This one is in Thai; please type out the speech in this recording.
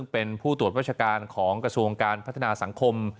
เป็นผู้ตรวจราชการของกระทรวงการพัฒนาสังคม